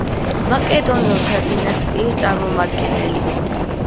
მაკედონელთა დინასტიის წარმომადგენელი.